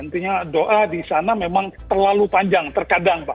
intinya doa di sana memang terlalu panjang terkadang pak